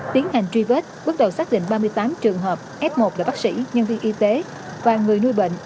tiến hành truy vết bước đầu xác định ba mươi tám trường hợp f một là bác sĩ nhân viên y tế và người nuôi bệnh